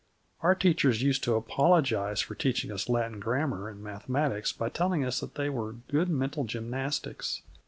Our teachers used to apologise for teaching us Latin grammar and mathematics by telling us that they were good mental gymnastics.